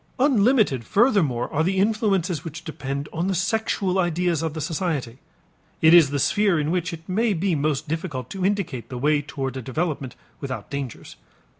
Unlimited furthermore are the influences which depend upon the sexual ideas of the society. It is the sphere in which it may be most difficult to indicate the way towards a development without dangers.